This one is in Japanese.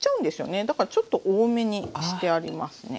だからちょっと多めにしてありますね。